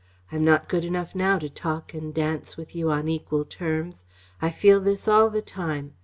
I'm not good enough now to talk and dance with you on equal terms. I feel this all the time.